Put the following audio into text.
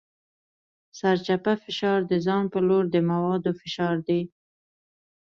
سرچپه فشار د ځان په لور د موادو فشار دی.